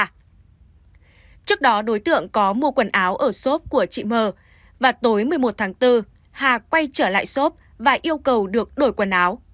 trước đó đối tượng có mua quần áo ở xốp của chị m và tối một mươi một tháng bốn hà quay trở lại shop và yêu cầu được đổi quần áo